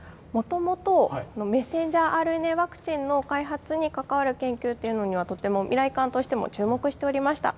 もともとメッセンジャーＲＮＡワクチンの開発に関わる研究というのには、とても未来館としても注目しておりました。